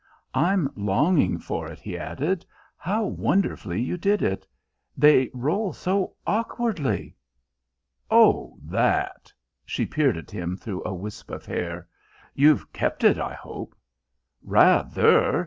"I'm longing for it," he added. "How wonderfully you did it! They roll so awkwardly " "Oh, that!" She peered at him through a wisp of hair. "You've kept it, I hope." "Rather.